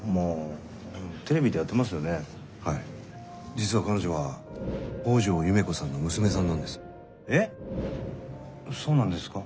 実は彼女は北條夢子さんの娘さんなんです。え！？そうなんですか？